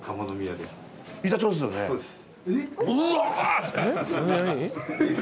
そうです。